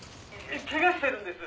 「怪我してるんです。